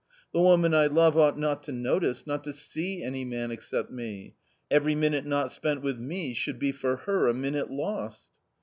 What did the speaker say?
The woman I love ought not to notice, not to see any man except me ; every minute not spent with me should be for her a minute lost."